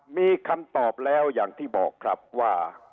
มีคำตอบแล้วอย่างที่บอกครับว่า